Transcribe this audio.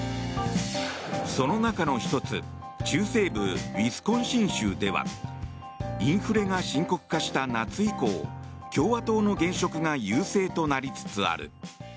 その中の１つ中西部ウィスコンシン州ではインフレが深刻化した夏以降共和党の現職が優勢となりつつある。